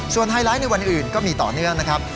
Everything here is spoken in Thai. ไฮไลท์ในวันอื่นก็มีต่อเนื่องนะครับ